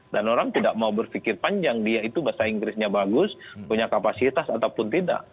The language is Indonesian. dan orang tidak mau berfikir panjang dia itu bahasa inggrisnya bagus punya kapasitas ataupun tidak